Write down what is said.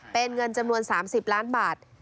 เป็นเงินจำนวน๓๐ล้านบาท